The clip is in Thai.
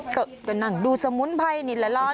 ก็นั่งดูสมุนไพรนี่แหละร้อน